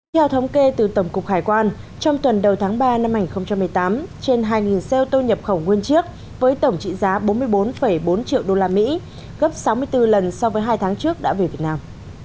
theo thống kê từ tổng cục hải quan trong tuần đầu tháng ba năm hai nghìn một mươi tám trên hai xe ô tô nhập khẩu nguyên chiếc với tổng trị giá bốn mươi bốn bốn triệu usd gấp sáu mươi bốn lần so với hai tháng trước đã về việt nam